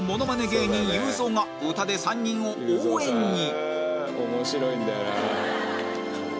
芸人ゆうぞうが歌で３人を応援に！